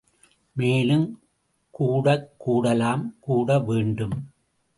மேலும் கூடக்கூடலாம் கூடவேண்டும்!